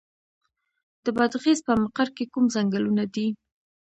د بادغیس په مقر کې کوم ځنګلونه دي؟